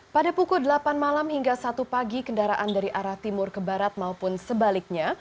pada pukul delapan malam hingga satu pagi kendaraan dari arah timur ke barat maupun sebaliknya